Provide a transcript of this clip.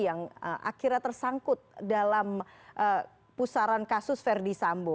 yang akhirnya tersangkut dalam pusaran kasus verdi sambo